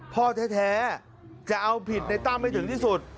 พ่อแท้จะเอาผิดในตั้มให้ถึงที่สุด